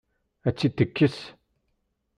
Ad tt-id-tekkes?